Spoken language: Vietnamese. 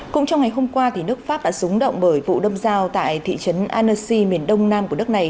cũng trong ngày hôm qua nước pháp đã rúng động bởi vụ đâm giao tại thị trấn annesi miền đông nam của đất này